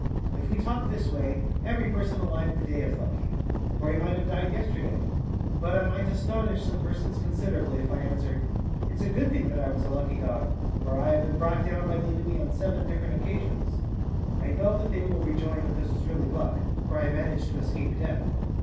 If we talk this way, every person alive today is lucky; for he might have died yesterday. But I might astonish some persons considerably if I answered: "It's a good thing that I was a lucky dog, for I have been brought down by the enemy on seven different occasions." I know that they will rejoin that this was really luck, for I managed to escape death.